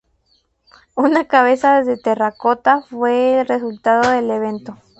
Una cabeza de terracota fue el resultado del evento.